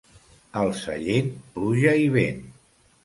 Al Sallent, pluja i vent.